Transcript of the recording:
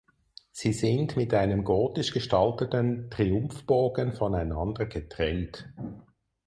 Sie sind mit einem gotisch gestalteten Triumphbogen voneinander getrennt.